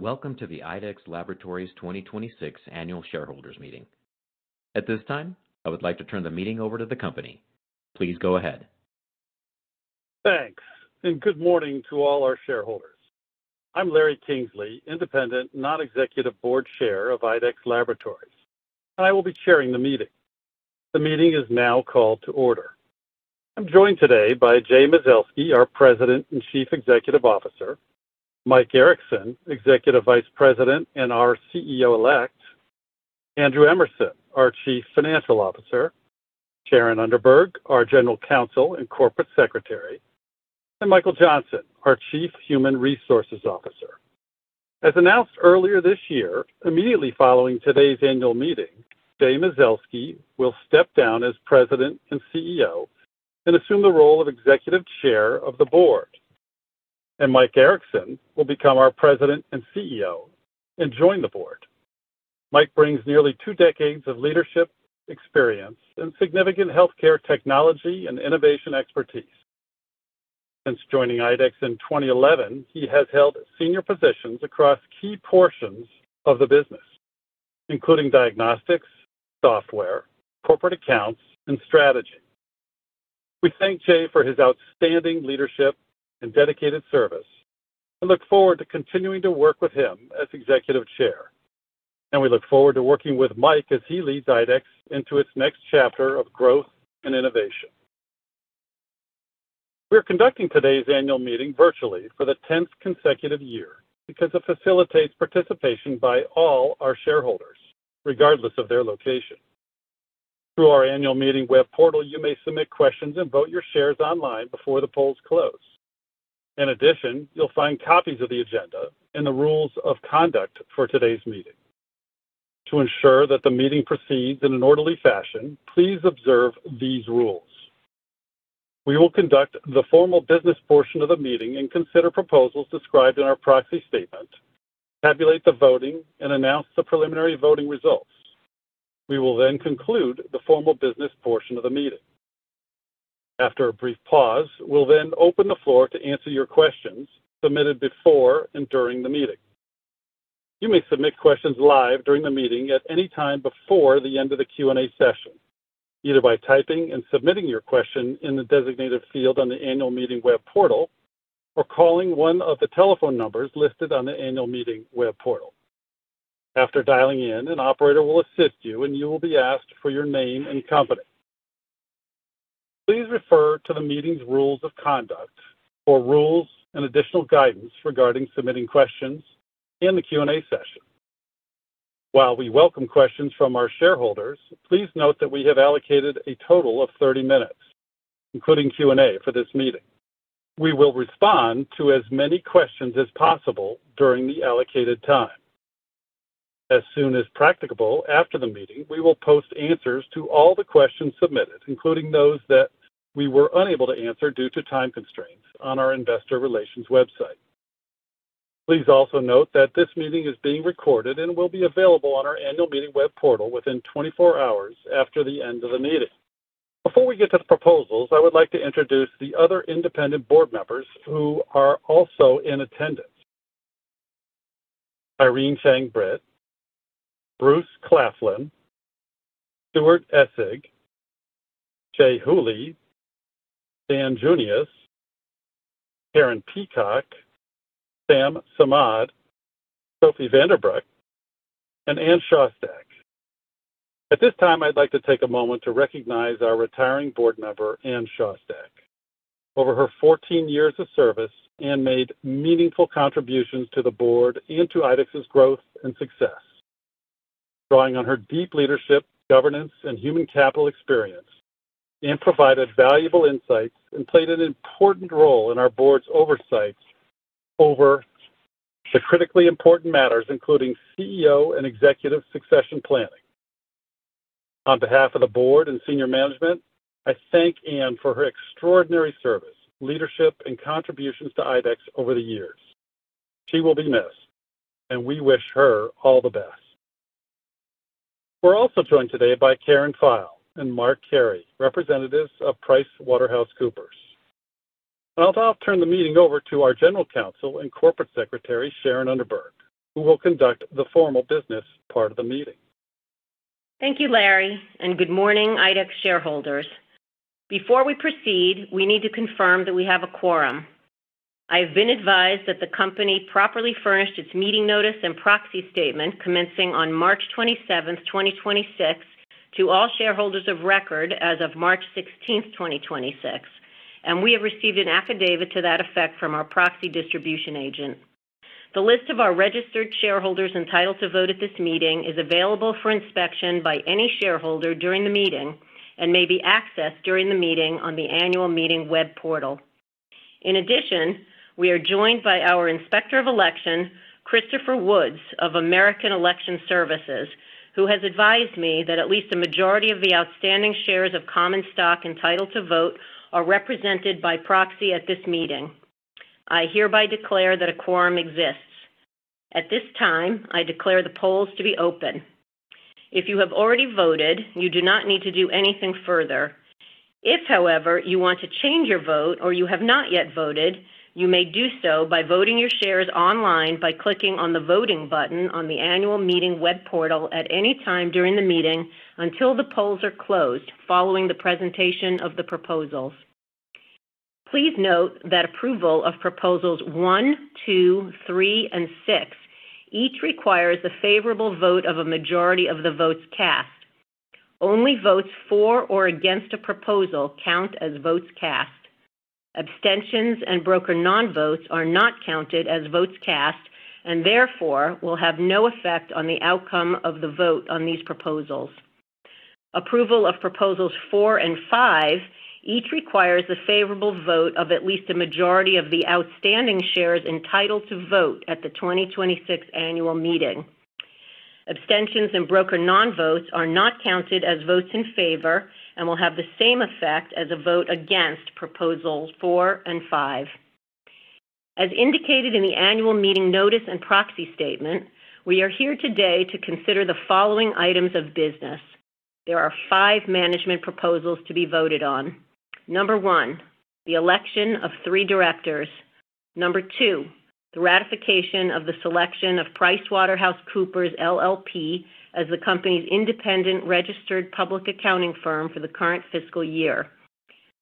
Welcome to the IDEXX Laboratories 2026 Annual Shareholders Meeting. At this time, I would like to turn the meeting over to the company. Please go ahead. Thanks, and good morning to all our shareholders. I'm Larry Kingsley, Independent Non-Executive Board Chair of IDEXX Laboratories, and I will be chairing the meeting. The meeting is now called to order. I'm joined today by Jay Mazelsky, our President and Chief Executive Officer, Mike Erickson, Executive Vice President and our CEO-elect, Andrew Emerson, our Chief Financial Officer, Sharon Underberg, our General Counsel and Corporate Secretary, and Michael Johnson, our Chief Human Resources Officer. As announced earlier this year, immediately following today's annual meeting, Jay Mazelsky will step down as President and CEO and assume the role of Executive Chair of the Board. Mike Erickson will become our President and CEO and join the Board. Mike brings nearly two decades of leadership experience and significant healthcare technology and innovation expertise. Since joining IDEXX in 2011, he has held senior positions across key portions of the business, including diagnostics, software, corporate accounts, and strategy. We thank Jay for his outstanding leadership and dedicated service and look forward to continuing to work with him as executive chair, and we look forward to working with Mike as he leads IDEXX into its next chapter of growth and innovation. We're conducting today's annual meeting virtually for the 10th consecutive year because it facilitates participation by all our shareholders, regardless of their location. Through our annual meeting web portal, you may submit questions and vote your shares online before the polls close. In addition, you'll find copies of the agenda and the rules of conduct for today's meeting. To ensure that the meeting proceeds in an orderly fashion, please observe these rules. We will conduct the formal business portion of the meeting and consider proposals described in our proxy statement, tabulate the voting, and announce the preliminary voting results. We will conclude the formal business portion of the meeting. After a brief pause, we'll then open the floor to answer your questions submitted before and during the meeting. You may submit questions live during the meeting at any time before the end of the Q&A session, either by typing and submitting your question in the designated field on the annual meeting web portal or calling one of the telephone numbers listed on the annual meeting web portal. After dialing in, an operator will assist you, and you will be asked for your name and company. Please refer to the meeting's rules of conduct for rules and additional guidance regarding submitting questions in the Q&A session. While we welcome questions from our shareholders, please note that we have allocated a total of 30 minutes, including Q&A, for this meeting. We will respond to as many questions as possible during the allocated time. As soon as practicable after the meeting, we will post answers to all the questions submitted, including those that we were unable to answer due to time constraints, on our investor relations website. Please also note that this meeting is being recorded and will be available on our annual meeting web portal within 24 hours after the end of the meeting. Before we get to the proposals, I would like to introduce the other independent board members who are also in attendance: Irene Chang Britt, Bruce Claflin, Stuart Essig, Jay Hooley, Daniel M. Junius, Karen Peacock, Sam Samad, Sophie Vandebroek, and M. Anne Szostak. At this time, I'd like to take a moment to recognize our retiring board member, M. Anne Szostak. Over her 14 years of service, Anne made meaningful contributions to the board and to IDEXX's growth and success. Drawing on her deep leadership, governance, and human capital experience, Anne provided valuable insights and played an important role in our board's oversights over the critically important matters, including CEO and executive succession planning. On behalf of the board and senior management, I thank Anne for her extraordinary service, leadership, and contributions to IDEXX over the years. She will be missed, and we wish her all the best. We're also joined today by Karen Pfeil and Mark Carey, representatives of PricewaterhouseCoopers. I'll now turn the meeting over to our General Counsel and Corporate Secretary, Sharon E. Underberg, who will conduct the formal business part of the meeting. Thank you, Larry, and good morning IDEXX shareholders. Before we proceed, we need to confirm that we have a quorum. I have been advised that the company properly furnished its meeting notice and proxy statement commencing on March 27th, 2026, to all shareholders of record as of March 16th, 2026, and we have received an affidavit to that effect from our proxy distribution agent. The list of our registered shareholders entitled to vote at this meeting is available for inspection by any shareholder during the meeting and may be accessed during the meeting on the annual meeting web portal. In addition, we are joined by our Inspector of Election, Christopher Woods of American Election Services, who has advised me that at least a majority of the outstanding shares of common stock entitled to vote are represented by proxy at this meeting. I hereby declare that a quorum exists. At this time, I declare the polls to be open. If you have already voted, you do not need to do anything further. If, however, you want to change your vote or you have not yet voted, you may do so by voting your shares online by clicking on the voting button on the annual meeting web portal at any time during the meeting until the polls are closed following the presentation of the proposals. Please note that approval of proposals one, two, three, and six each requires the favorable vote of a majority of the votes cast. Only votes for or against a proposal count as votes cast. Abstentions and broker non-votes are not counted as votes cast and therefore will have no effect on the outcome of the vote on these proposals. Approval of proposals four and five each requires the favorable vote of at least a majority of the outstanding shares entitled to vote at the 2026 annual meeting. Abstentions and broker non-votes are not counted as votes in favor and will have the same effect as a vote against proposal four and five. As indicated in the annual meeting notice and proxy statement, we are here today to consider the following items of business. There are five management proposals to be voted on. Number one, the election of three directors. Number two, the ratification of the selection of PricewaterhouseCoopers, LLP as the company's independent registered public accounting firm for the current fiscal year.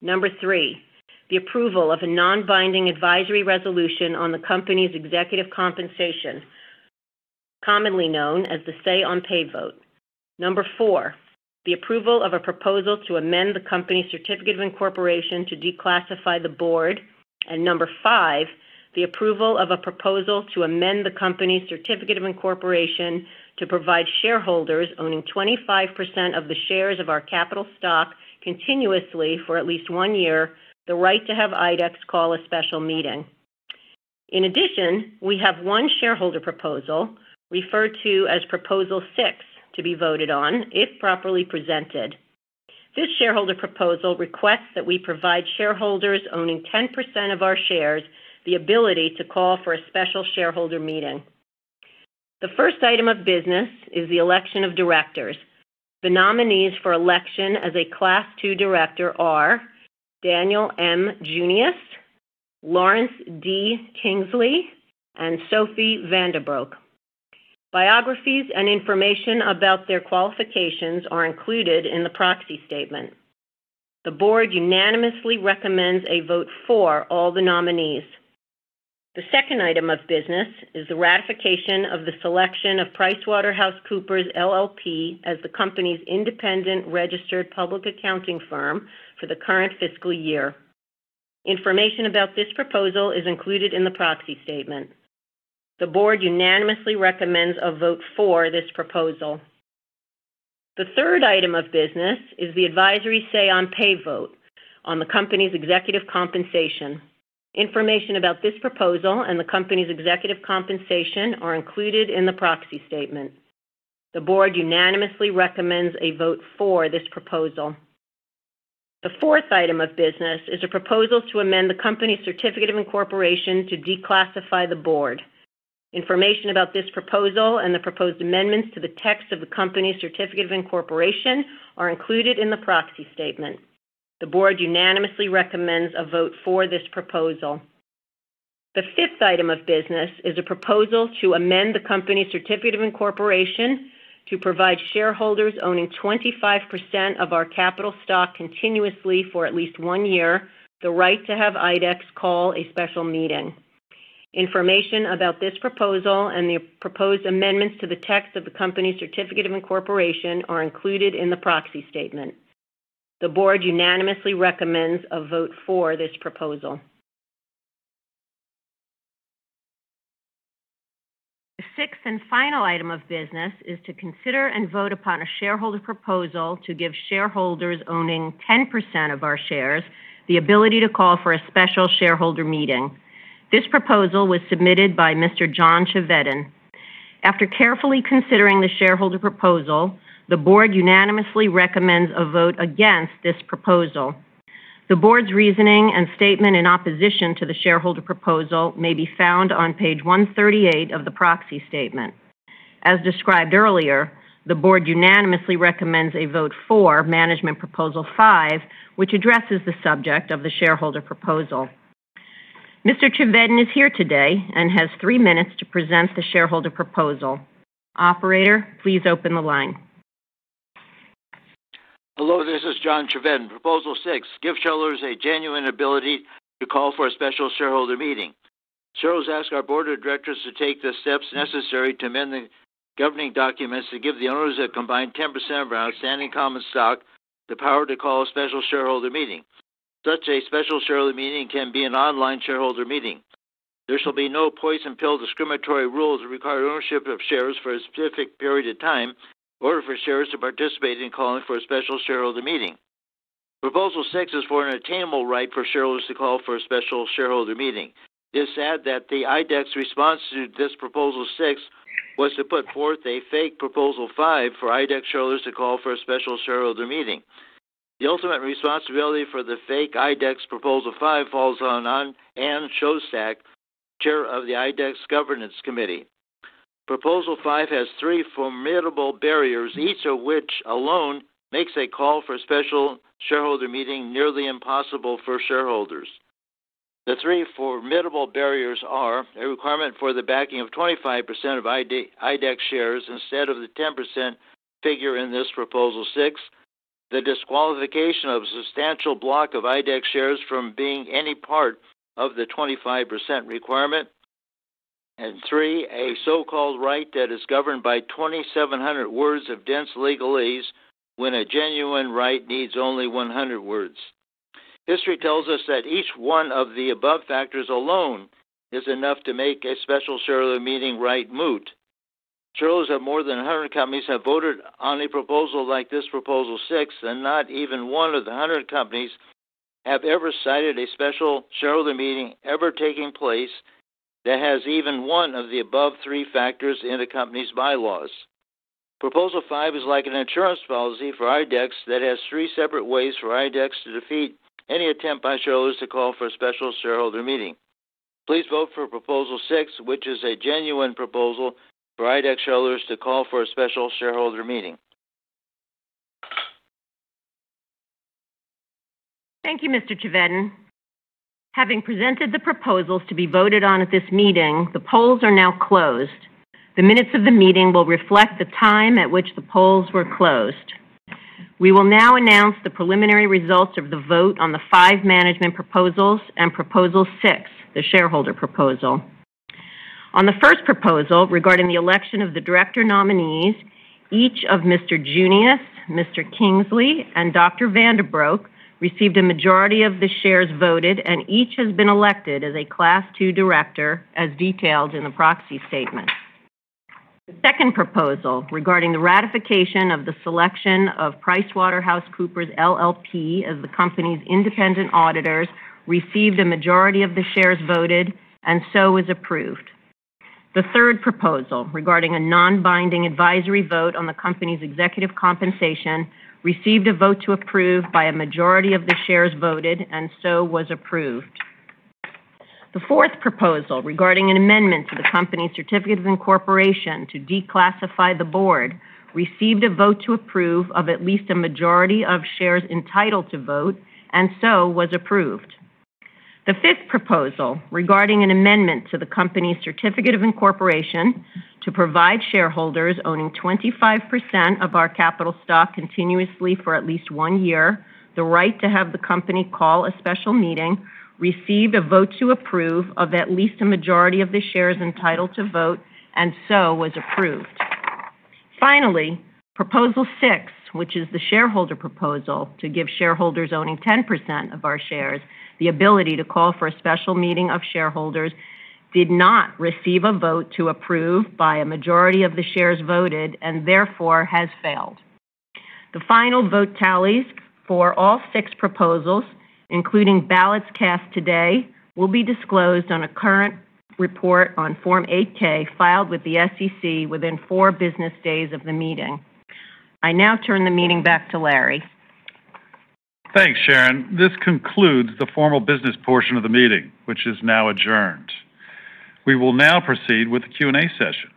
Number three, the approval of a non-binding advisory resolution on the company's executive compensation, commonly known as the Say-on-Pay vote. Number four, the approval of a proposal to amend the company's certificate of incorporation to declassify the board. Number five, the approval of a proposal to amend the company's certificate of incorporation to provide shareholders owning 25% of the shares of our capital stock continuously for at least one year the right to have IDEXX call a special meeting. In addition, we have one shareholder proposal, referred to as Proposal six, to be voted on if properly presented. This shareholder proposal requests that we provide shareholders owning 10% of our shares the ability to call for a special shareholder meeting. The first item of business is the election of directors. The nominees for election as a class two director are Daniel M. Junius, Lawrence D. Kingsley, and Sophie Vandebroek. Biographies and information about their qualifications are included in the proxy statement. The board unanimously recommends a vote for all the nominees. The second item of business is the ratification of the selection of PricewaterhouseCoopers LLP as the company's independent registered public accounting firm for the current fiscal year. Information about this proposal is included in the proxy statement. The board unanimously recommends a vote for this proposal. The third item of business is the advisory Say-on-Pay vote on the company's executive compensation. Information about this proposal and the company's executive compensation are included in the proxy statement. The board unanimously recommends a vote for this proposal. The fourth item of business is a proposal to amend the company's certificate of incorporation to declassify the board. Information about this proposal and the proposed amendments to the text of the company's certificate of incorporation are included in the proxy statement. The board unanimously recommends a vote for this proposal. The fifth item of business is a proposal to amend the company's certificate of incorporation to provide shareholders owning 25% of our capital stock continuously for at least one year the right to have IDEXX call a special meeting. Information about this proposal and the proposed amendments to the text of the company's certificate of incorporation are included in the proxy statement. The board unanimously recommends a vote for this proposal. The sixth and final item of business is to consider and vote upon a shareholder proposal to give shareholders owning 10% of our shares the ability to call for a special shareholder meeting. This proposal was submitted by Mr. John Chevedden. After carefully considering the shareholder proposal, the board unanimously recommends a vote against this proposal. The board's reasoning and statement in opposition to the shareholder proposal may be found on page 138 of the proxy statement. As described earlier, the board unanimously recommends a vote for Management Proposal 5, which addresses the subject of the shareholder proposal. Mr. Chevedden is here today and has three minutes to present the shareholder proposal. Operator, please open the line. Hello, this is John Chevedden. Proposal six, give shareholders a genuine ability to call for a special shareholder meeting. Shareholders ask our board of directors to take the steps necessary to amend the governing documents to give the owners of combined 10% of our outstanding common stock the power to call a special shareholder meeting. Such a special shareholder meeting can be an online shareholder meeting. There shall be no poison pill discriminatory rules that require ownership of shares for a specific period of time or for shares to participate in calling for a special shareholder meeting. Proposal six is for an attainable right for shareholders to call for a special shareholder meeting. It's sad that the IDEXX response to this proposal six was to put forth a fake proposal five for IDEXX shareholders to call for a special shareholder meeting. The ultimate responsibility for the fake IDEXX proposal five falls on M. Anne Szostak, chair of the IDEXX Governance Committee. Proposal five has three formidable barriers, each of which alone makes a call for a special shareholder meeting nearly impossible for shareholders. The three formidable barriers are a requirement for the backing of 25% of IDEXX shares instead of the 10% figure in this proposal six, the disqualification of a substantial block of IDEXX shares from being any part of the 25% requirement, and three, a so-called right that is governed by 2,700 words of dense legalese when a genuine right needs only 100 words. History tells us that each one of the above factors alone is enough to make a special shareholder meeting right moot. Shareholders of more than 100 companies have voted on a proposal like this proposal six. Not even one of the 100 companies have ever cited a special shareholder meeting ever taking place that has even one of the above three factors in a company's bylaws. Proposal five is like an insurance policy for IDEXX that has three separate ways for IDEXX to defeat any attempt by shareholders to call for a special shareholder meeting. Please vote for proposal six, which is a genuine proposal for IDEXX shareholders to call for a special shareholder meeting. Thank you, Mr. Chevedden. Having presented the proposals to be voted on at this meeting, the polls are now closed. The minutes of the meeting will reflect the time at which the polls were closed. We will now announce the preliminary results of the vote on the five management proposals and proposal 6, the shareholder proposal. On the first proposal regarding the election of the director nominees, each of Mr. Junius, Mr. Kingsley, and Dr. Vandebroek received a majority of the shares voted, and each has been elected as a class two director, as detailed in the proxy statement. The second proposal regarding the ratification of the selection of PricewaterhouseCoopers LLP as the company's independent auditors received a majority of the shares voted and so was approved. The third proposal regarding a non-binding advisory vote on the company's executive compensation received a vote to approve by a majority of the shares voted and so was approved. The fourth proposal regarding an amendment to the company's certificate of incorporation to declassify the board received a vote to approve of at least a majority of shares entitled to vote and so was approved. The fifth proposal regarding an amendment to the company's certificate of incorporation to provide shareholders owning 25% of our capital stock continuously for at least one year, the right to have the company call a special meeting, received a vote to approve of at least a majority of the shares entitled to vote and so was approved. Finally, proposal six, which is the shareholder proposal to give shareholders owning 10% of our shares the ability to call for a special meeting of shareholders, did not receive a vote to approve by a majority of the shares voted and therefore has failed. The final vote tallies for all six proposals, including ballots cast today, will be disclosed on a current report on Form 8-K filed with the SEC within four business days of the meeting. I now turn the meeting back to Larry. Thanks, Sharon. This concludes the formal business portion of the meeting, which is now adjourned. We will now proceed with the Q&A session.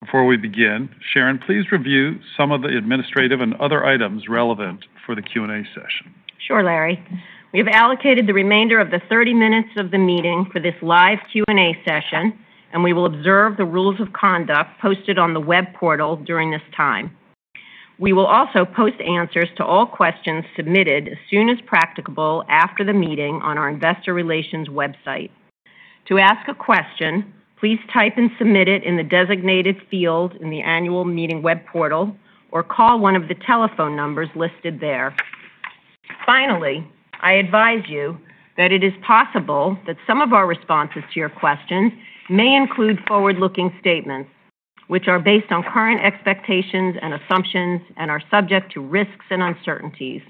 Before we begin, Sharon, please review some of the administrative and other items relevant for the Q&A session. Sure, Larry. We have allocated the remainder of the 30 minutes of the meeting for this live Q&A session, and we will observe the rules of conduct posted on the web portal during this time. We will also post answers to all questions submitted as soon as practicable after the meeting on our investor relations website. To ask a question, please type and submit it in the designated field in the annual meeting web portal or call one of the telephone numbers listed there. Finally, I advise you that it is possible that some of our responses to your questions may include forward-looking statements, which are based on current expectations and assumptions and are subject to risks and uncertainties.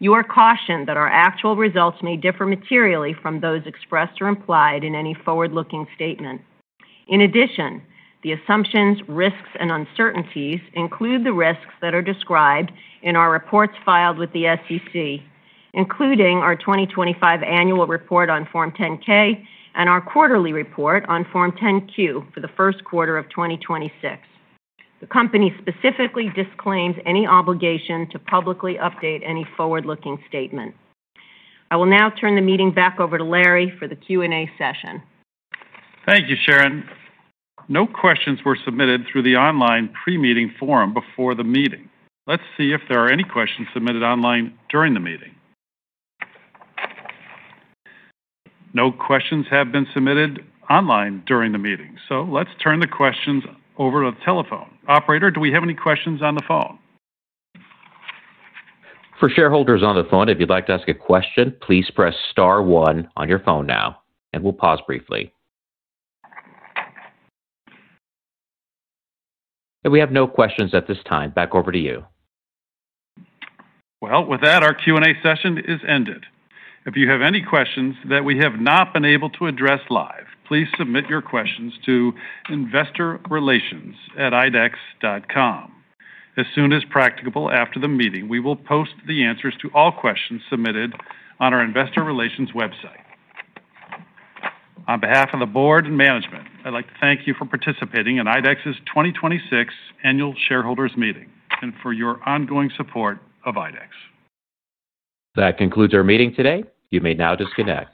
You are cautioned that our actual results may differ materially from those expressed or implied in any forward-looking statement. In addition, the assumptions, risks, and uncertainties include the risks that are described in our reports filed with the SEC, including our 2025 annual report on Form 10-K and our quarterly report on Form 10-Q for the first quarter of 2026. The company specifically disclaims any obligation to publicly update any forward-looking statement. I will now turn the meeting back over to Larry for the Q&A session. Thank you, Sharon. No questions were submitted through the online pre-meeting forum before the meeting. Let's see if there are any questions submitted online during the meeting. No questions have been submitted online during the meeting. Let's turn the questions over to telephone. Operator, do we have any questions on the phone? For shareholders on the phone, if you'd like to ask a question, please press star one on your phone now. We'll pause briefly. We have no questions at this time. Back over to you. Well, with that, our Q&A session is ended. If you have any questions that we have not been able to address live, please submit your questions to investorrelations@idexx.com. As soon as practicable after the meeting, we will post the answers to all questions submitted on our investor relations website. On behalf of the board and management, I'd like to thank you for participating in IDEXX's 2026 Annual Shareholders Meeting and for your ongoing support of IDEXX. That concludes our meeting today. You may now disconnect.